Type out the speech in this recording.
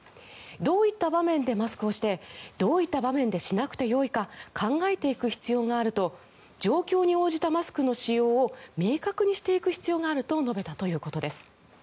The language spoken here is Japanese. どういった場面でマスクをしてどういった場面でしなくていいか考えていく必要があると状況に応じたマスクの使用を明確にしていく必要があると述べたということです。